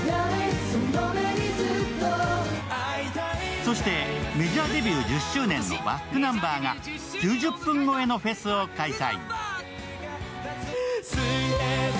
そしてメジャーデビュー１０周年のｂａｃｋｎｕｍｂｅｒが９０分超えのフェスを開催。